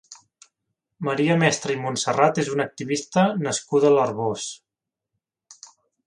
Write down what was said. Maria Mestre i Montserrat és una activista nascuda a l'Arboç.